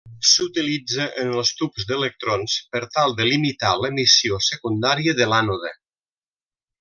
S'utilitza en els tubs d'electrons per tal de limitar l'emissió secundària de l'ànode.